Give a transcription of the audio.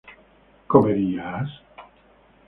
¿comerías?